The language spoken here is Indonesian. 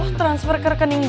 ini jangan kiper dib substantif